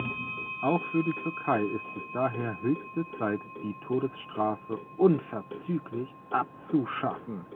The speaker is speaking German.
Auch für die Türkei ist es daher höchste Zeit, die Todesstrafe unverzüglich abzuschaffen.